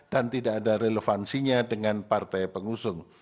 dan tidak ada relevansinya dengan partai pengusung